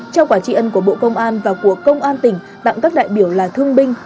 trao quả trị ân của bộ công an và của công an tỉnh tặng các đại biểu là thương binh